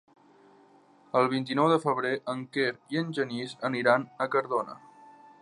El vint-i-nou de febrer en Quer i en Genís aniran a Cardona.